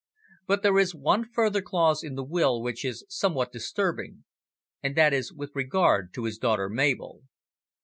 But there is one further clause in the will which is somewhat disturbing, and that is with regard to his daughter Mabel.